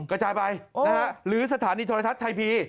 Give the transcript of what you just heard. กระจายไปหรือสถานีโทรทัศน์ไทยพี